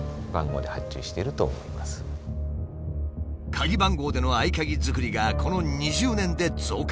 鍵番号での合鍵作りがこの２０年で増加。